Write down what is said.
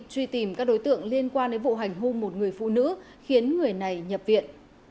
truy tìm các đối tượng liên quan đến vụ hành hôn một người phụ nữ khiến người này nhập viện